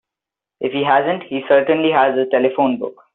If he hasn't he certainly has a telephone book.